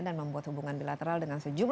dan membuat hubungan bilateral dengan sejujurnya